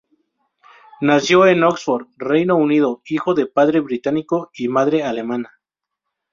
Nació en Oxford, Reino Unido, hijo de padre británico y madre alemana.